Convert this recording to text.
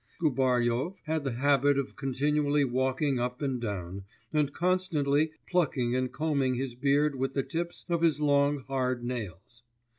Gubaryov had the habit of continually walking up and down, and constantly plucking and combing his beard with the tips of his long hard nails.